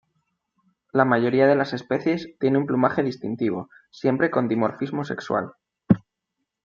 La mayoría de las especies tiene un plumaje distintivo, siempre con dimorfismo sexual.